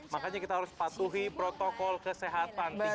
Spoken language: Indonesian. makanya kita harus patuhi protokol kesehatan